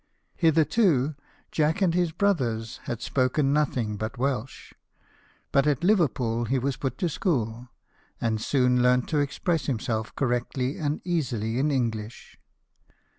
Hitherto, Jack and his brothers had 64 BIOGRAPHIES OF WORKING MEN. spoken nothing but Welsh ; but at Liverpool he was put to school, and soon learned to ex press himself correctly and easily in English.